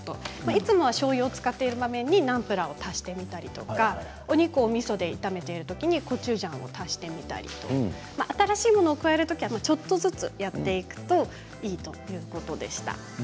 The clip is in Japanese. いつもしょうゆを使っているものはナンプラーにしたりみそにコチュジャンを足してみたり新しいものを加えるときにはちょっとずつやっていくといいということでした。